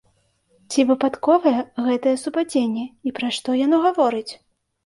Ці выпадковае гэтае супадзенне і пра што яно гаворыць?